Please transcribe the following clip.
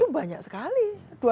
itu banyak sekali